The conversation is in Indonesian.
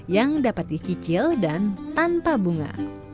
yang dapat dicicil dan tanpa bunga